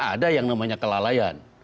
ada yang namanya kelalaian